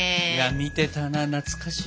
見てたな懐かしい。